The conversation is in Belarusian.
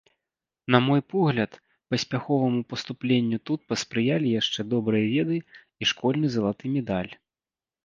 На мой погляд, паспяховаму паступленню тут паспрыялі яшчэ добрыя веды і школьны залаты медаль.